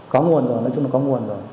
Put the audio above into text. có nguồn rồi nói chung là có nguồn rồi